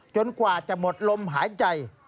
กว่าจะหมดลมหายใจ